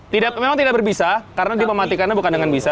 tidak memang tidak berbisa karena dia mematikannya bukan dengan bisa